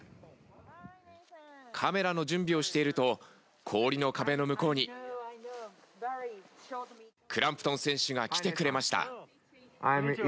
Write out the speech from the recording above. カメラの準備をしていると氷の壁の向こうにクランプトン選手が来てくれました。